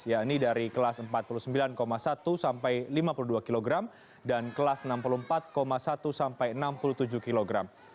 yakni dari kelas empat puluh sembilan satu sampai lima puluh dua kg dan kelas enam puluh empat satu sampai enam puluh tujuh kilogram